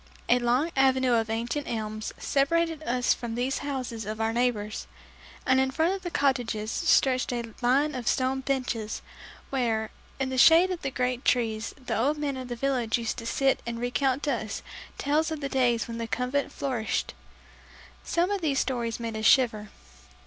A long avenue of ancient elms separated us from these houses of our neighbors, and in front of the cottages stretched a line of stone benches, where, in the shade of the great trees, the old men of the village used to sit and recount to us tales of the days when the Convent flourished. Some of these stories made us shiver.